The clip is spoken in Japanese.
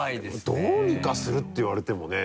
どうにかするって言われてもね。